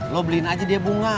lo beliin aja dia bunga